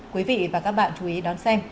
quý vị và các bạn chú ý đón xem